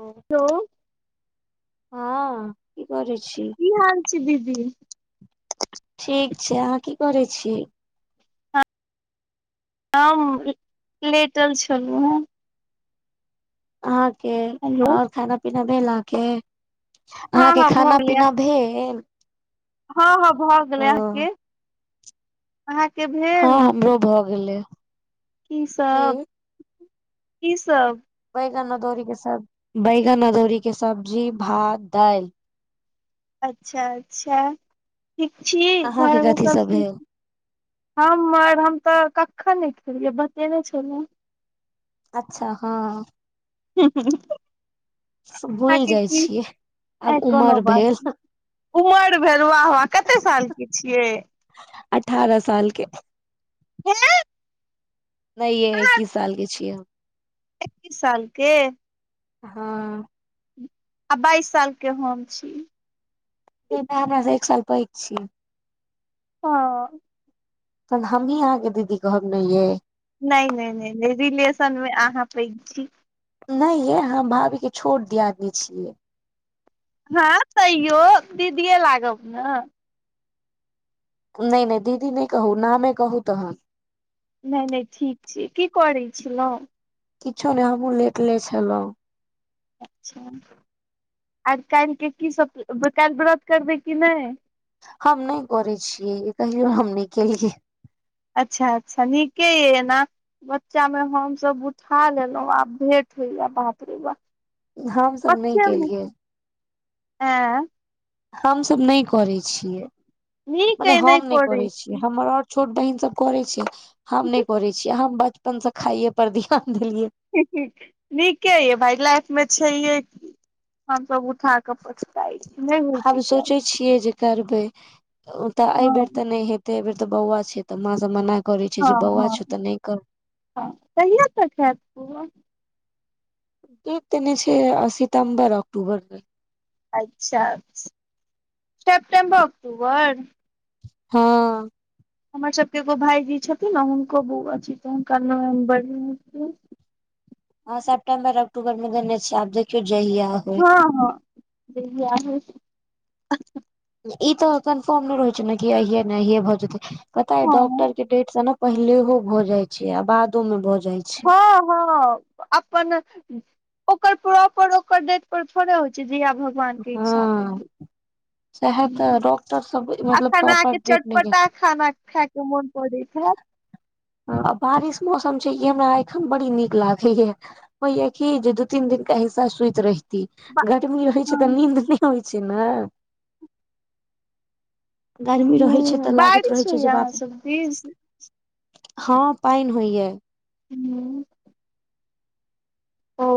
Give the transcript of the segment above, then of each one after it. हुँ हेलो। हँ की करैय छी। की हाल छै दीदी। ठीक छै, अहाँ की करैय छी। हम लेटल छलहुँ है। अहाके हेलो और खाना पीना भेल आहाँके। हँ अहाँके हँ भऽ खाना गेलै पीना भेल। हँ - हँ भऽ गेलै ओ अहाँके -अहाँके भेल। हँ हमरो भऽ गेलै। की सब - की सब। बैगन अदौरी के सब्जी भात दाईल। अच्छा - अच्छा ठीक छी, अहाँके घरमे कथी सभ सब भेल ठीक। हमर हम तऽ कखन नहि खेलियै बतेने छलऊ। अच्छा हँ। [unintelligible] भूलि अहाँके जाइ की छियै आब अ कोनो उमर बात भेल नै। उमर भेल वाह वा कते साल के छियै। अठारह सालके। हँ। नई ये एकीस साल के छियै। पी सालके। [unintelligible] हँ। आब बाइस सालके हम छी। तहैन तऽ आंहा हमरा से एक साल पैघ छी। हँ। तहन हमही अहाँके दीदी कहब ने ये। नै- नै-नै रिलेशन मे अहाँ पैघ छी। नै ये आंहा भाभी के छोट दियादनी छियै। हँ तैयो दीदिे लागब ने। नै- नै दीदी नै कहू नामे कहू तहन। नै- नै ठीक छी की करै छलहुँ‌। किछो नै हमहुूँ लेट ले छलहुँं। अच्छा आर काल्हिके की सब काल्हि व्रत करबै कि नै। हम न करै छियै कहियो हम नै केलियै। अच्छा- अच्छा नीके यऽ एना। बच्चा मे हम-सब उठा लेलहुँ आब भेंट होइया बाप रे बाप। हमसभ नहि बच्चे में केलियै आँ। हम-सब नै करै छियै नीक मने अइ नहि हम नै करै छियै छी हमर और। छोट बहिन सब करे छै, हम नै करे छियै हम बचपन से खाइे पर ध्यान देलियै। नीके ये भाय लाइफ मे छैहेकि हमस उठाके पछताई छी, नै होइ छै कैल। छिये जे करबे ओ तऽ हँ एबर ते नहि हेते ए बेर तऽ बौआ छै तऽ माँ सब मना करै छै हँ जे बौआ छौ तऽ नहि कर - हँ कहिय तक हैत बौआ। डेट देनै छै सितम्बर अक्टूबर तक। अच्छा। सेप्टेम्बर अक्टूबर। हँ। हमर सबके एगो भायजी छथिन ने हुनको बौआ छै तऽ हुनका नवम्बर में हेतै। हँ सेप्टम्बर अक्टूबर मे देने छै आब देखियो जहिया होय। हँँ-हॅं जहिया होय। ई तऽ कन्फर्म नहि रहै छै ने, कि अहिये ने अहिये भऽ जेतै पता हँ डॉक्टर के डेट से ने पहिलेहो भ जाय छै, आ बादो में भऽ जाय छै। हँ- हँ। अपन, ओकर प्रॉपर डेट ओकर डेट पर, थोड़े होइ छै जहिया भऽ गेल। भगवानके इच्छा हँ सएह तऽ डॉक्टर सब मतलब अखन, प्रॉपर अहाँके डेट नहि दै चटपटा खाना खा के मोन करेत हैत। आ बारिश मौसम छै, ई हमरा एखन बड़ी नीक लागैया। होया की, जे दू-तीन दिनके, हिसा सुईैत रहि। गरमी रहै छै त, हँ नीन्द नहि होइ छै ने। गर्मी रहैत छै तऽ, लगैत रहैत छै, जे बाप रे तीज। हँ पाइन होइया। हूँ। ओ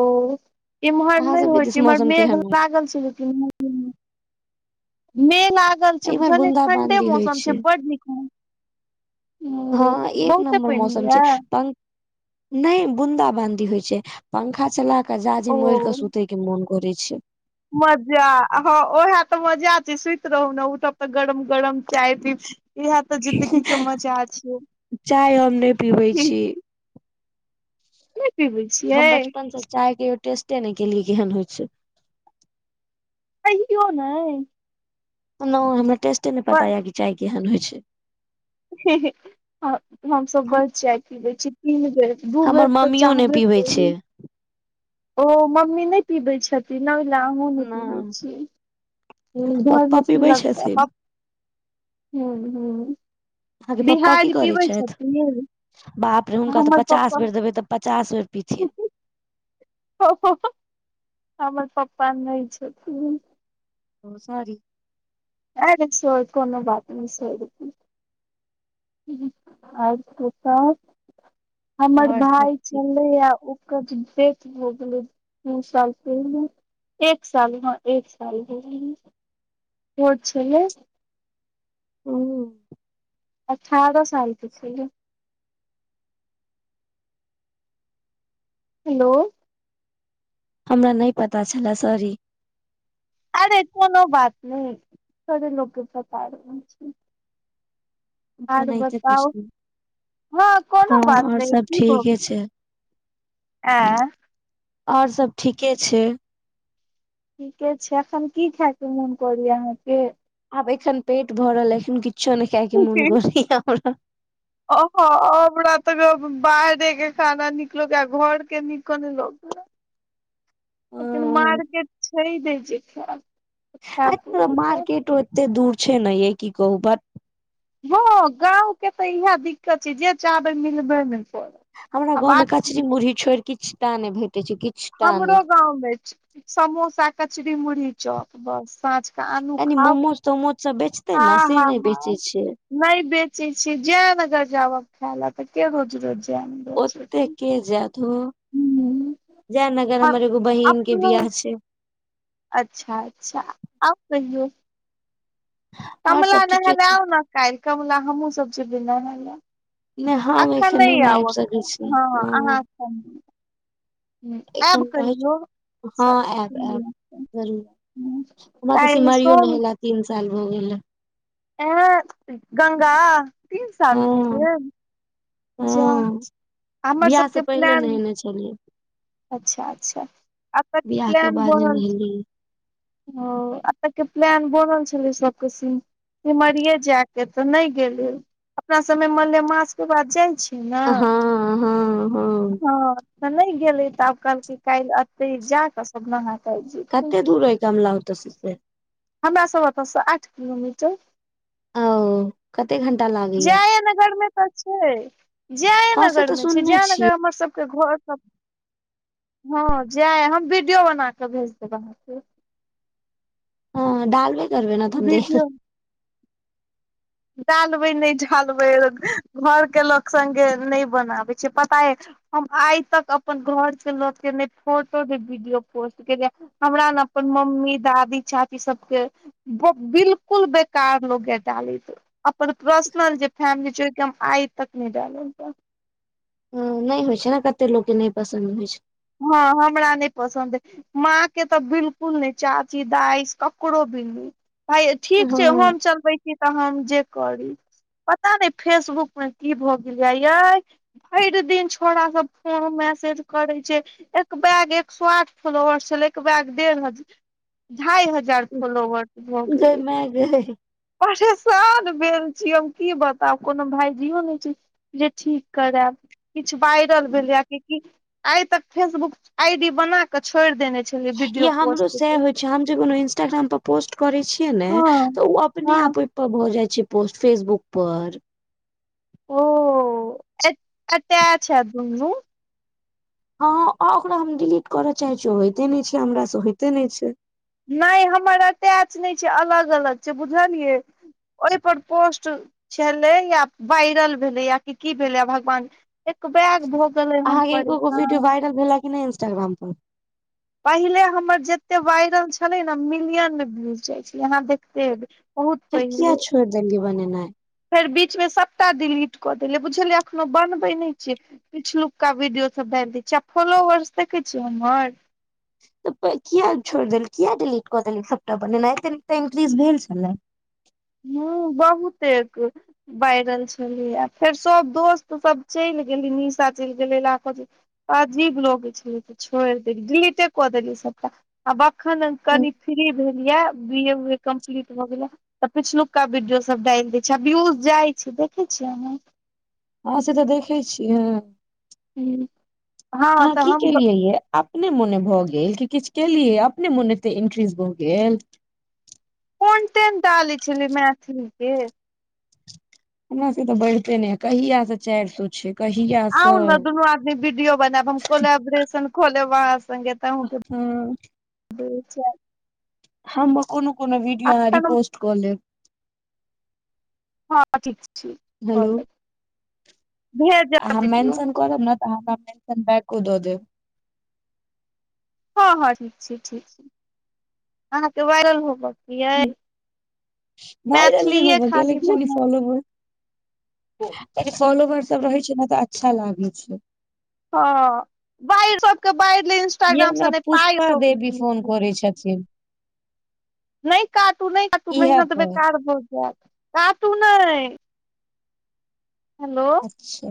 इमहर अहाँ नहि सबके होइ दिस छै, इमहर मौसम मेघ केहन अइ लागल छै, जे मेघ लागल छै इम्हर बुझलियै, बूंदा ठणडे बांदी होइ मौसम छै, बड नीक हँ, एक बहुते नम्बर पानि मौसम होइया छै, पं नय बूंदा बांदी होइ छैय, पंखा चला क ओ जाजीम ओढ़ि क सुतय के मोन करय छैय। मजा हँ ओहे त मजा छैय सुइत रहू ने उठब त गरम- गरम चाय पीब। इहे त जिंन्दगीके मजा चाय हम नहि पीबै छियै। छी पीबै हम बचपन से चाय कहियो टेस्टे नय केलियै केहन होइ छैय। कहियो नय। नय हमरा टेस्टे नय पर पता य कि चाय केहन होइ छैय। ह हमसभ हम बड़ चाय पी लैय छी तीन बेर, दू बेर त चाहबे करी छैय। ओ मम्मी नय पीबै छथि। [unintelligible] एनाहु नए पीबैय नहि छी, घर पप्पा में पीबै पीलैथ छथिन प हूँ-हूँ। अहाँके पप्पा की करैय छैथ। छथिन बाप रे हुनका त पचास बेर देबै त पचास बेर पिथीन। ह-ह-ह हमर पप्पा नय छथिन। ओ साॅरी। अरे [unintelligible] कोनो बात नहि सॉरी के। आर कियो छैथ। हमर आओर सब भाय ठीक छलैये ओ करा त डेथ भो गेलै, [unintelligible] साल पहिले। एक साल हँ एक साल भेलय हैं, छोट छेलय। ओ। अठारह सालके छेलैय। हेलो। हमरा नय पता छले सॉरी। अरे कोनो बात नय, थोरे लोकके पता रहै छैय। तऽ आर ओनाहिते बताउ, पुछलु हँ कोनो हँ बात और नय सब की भ ठीके गेलै। छै एँ। और सब ठीके छैय। ठीके छैय एखन की खायके मोन करैया अहाँके। आब एखन पेट भरल अइ एखन किछो नय खाइके मोन करैया हमरा। ओहो हमरा त रोज बाहरेके खाना नीक लोगैया घरके नीको नय लगैया। लेकिन मार्केट छैय नय जे खैब। एतऽ मारकेटो एते दूर छैय ने यै की कहू भट हँ गाँंवके त इहे दिक्कत छैय जे चाहवइ मिलबे ने करत। हमरा आब गाँवमे आब कचरी मुुरही छोइड़ किछ टा नय भेटैत छै किछ टा हमरो नहि गाँंवमे समोसा, कचरी, मुुरही, चौप बस साँझ त आनु कनि खाउ मोमोज तोमोज सब बेचते ने हँ- से नहि हँ-हँ। बेचै छै नय बेचै छैय जयनगर जाउ आब खाय लै त के रोज- रोज जै ओते के जैत ओ, जयनगर आ हमर एगो बहिनके बिआाह छैय। अच्छा-अच्छा आउ कहियौ। और कमला सब नहाय ठीके ल छै आउने काइल कमला हमहूँसभ जेबय नहाय ल। नहि हम अखन एखन नहि ने आउ आबि सकै अखन, छी हँ अहाँ अखन ह एब एखन रहै छी कहियौ। हँ आयब आयब जरूर हमरा तऽ काल्हि सिमरियो सोम। नहेला तीन साल भऽ गेल हैं। एं गंगा तीन साल भऽ हँ गेल जा। हँ हमर बियाह से सबके पहिले प्लान नहेने छलियै। अच्छा- अच्छा आब तऽ बियाह के प्लान बाद नै बनल छै। नहेलियै ओ एत के प्लान बनल छलै सबक स सिमरिये जाय के, तऽ ने गेले अपना सबमे मलेमास के बाद जाइ छै। हँ- हँ- हँ। तऽ नै गेलै तऽ आब कहलक काल्हि एते जा कऽ नाहा के आयब जेबै। कते दूर अय कमला ओतऽ सं हमरा सब ओतऽसँ आठ किलोमीटर। ओ क कते घणटा लागै जय नगर में तऽ छै। हँ से जयनगर तऽ में छै सुनने छियै जयनगर हमर सबके घर स हँ जाय हम वीडियो बना के भेज देब अहाँके। हँ डालबे करबे ने तऽ हम देख वीडियो डालबै नै डालबै घर के लोक सङ्गे नहि बनाबै छै पता यऽ हम आइ तक अपन घर के लोक के ने फोटो ने वीडियो पोस्ट केेलयऽ। हमरा ने अपन मम्मी दादी चाची सबके बिलकुल बेकार लगे डालैत। अपन पर्सनल जे फैमिली छै, ओहि आइ तक नहि डाललये। नै होइ छै ने कते लोक के नै पसन्द होइ छै। हँ-हॅं हमरा नहि पसन्द अय। माँ के तऽ बिलकुल नै, चाची दाइ ककरो भी नै। भाय ठीक छै हँ हम चलबै छी तऽ हम जे करी। पता नै फेसबुक मे की भऽ गेल यऽ यै। भैर दिन छोड़ा सब फोन मैसेज करे छै। एक बैग एक सए आठ फ्लोवर छल एक बैग डढ़ हजार ढाइ हजार। जार फोलोवर्स भऽ गेलै। अंय गे। परेशान भेल छी हम की बताउ, कोनो भायजियो नै छै। जे ठीक करयब किछु वायरल भेलैए कि आइ तक फेसबुक आई डी बना कऽ छोड़ि देने छलियै ई वीडियो हमरो पोस्ट कऽ सएह के। होइ हम जे कोनो इंस्टाग्राम पर पोस्ट करे छियै ने हँ तऽ ओ अपने हँ आप भऽ जाइ छै पोस्ट फेसबुक पर। ओ अटैच हैत दुनू। हँ ओकरा हम डिलीट करऽ चाहैत छियै, ओ होइते नै छै हमरा से होइते नै छै। नै हमर अटैच नै छै, अलग- अलग छै बुझलियै। ओहिपर पोस्ट छलै या वायरल भेलै या कि की भेलै भगवान एक बैग भो अहाँके एकोगो वीडियो वायरल भेला कि नै इंस्टाग्राम पर? पहिले हमर जते वायरल छलै ने, मिलियन व्यू जाइ छलै अहाँ देखते हेबै। बहुत फेर किया पहिले छोड़ देलयै बनेनै? फेर बीच में सबटा डिलीट कऽ देलियै बुझलियै, एखनो बनबै नहि छियै। पीछलुका वीडियो सबडाल दै छीये आ फॉलोवर्स देखै छियै हमर। तऽ किया छोड़ि देल किया डिलीट कऽ देल सबटा बनेनायी ऐते निक त इन्क्रीज भेल छलै। हूँ बहुतेक। बाजरल छलै आ फेर सभ दोस्त सभ चलि गेलै निशा चलि गेलै लखो अजीब लगैई छलैय त छोड़ि देलीये डीलीटे क देखिये सबटा। आब एखन कनि फ्री भेल यए बी ए उ ए कम्प्लीट भऽ गेलै तऽ पिछलुका वीडियो सब डालि दै छै आ व्यूज जाइ छै देखै छियै नै। हँ से तऽ देखै छियै ह। हुं। अहाँ की केलियै ये? अपने मोने भऽ गेल कि किछ केलियै अपने मोने एते एंट्रीज भऽ गेल। कंटेंट डालैय छलियै मैथिली के। हमरा सब के त बढ़ते नय या कहिया से चारि सो छै। कहिया से आउ ने दुनू आदमी वीडियो बनायब हम कोलबरेशन कोलेब आहाँ संगे। हँ [inaudible] हम कोनो कोनो वीडियो अहाँ एखन हम रिपोस्ट कऽ लेब। हँ ठीक छै कऽ हेलो लेब भेज देब अहाँ बीडिय। मेंशन करब ना त अहाँ हमरा मेंशन बैको दऽ देब। हँ हँ ठीक छी ठीक छी अहाँके वायरल होब यै वायरल नहि मैथिलीए होबऽ खाली बन कियाकी फॉलोवर सब रहै छै ने तऽ अच्छा लागै छै। ह बाढ़ सबके बाढ़ि ले ये इंस्टाग्राम से हमरा नहि पाइ पुष्पा अबय देवी छै ने कीछ। [unintelligible] छथिन। नइ काटू नइ काटू इहे मेहनत पर बेकार भऽ जायत काटू नइ। हेलो। अच्छा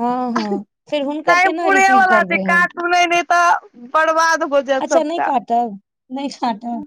हँ हँ फेर हुनकर केना रिसीव करबै हम? सुनैय नहि तऽ बर्बाद भ अच्छा नहि काटब नहि काटब।